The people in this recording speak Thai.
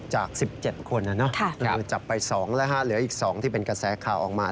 จาก๑๗คนคือจับไป๒แล้วเหลืออีก๒ที่เป็นกระแสข่าวออกมา